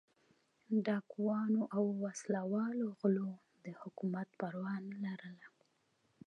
ډاکوانو او وسله والو غلو د حکومت پروا نه لرله.